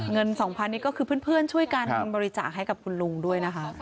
เงิน๒๐๐นี่ก็คือเพื่อนช่วยกันบริจาคให้กับคุณลุงด้วยนะคะ